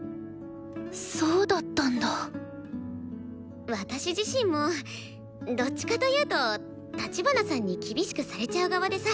そうだったんだ私自身もどっちかというと立花さんに厳しくされちゃう側でさ。